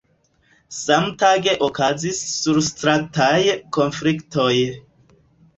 Samtage okazis surstrataj konfliktoj.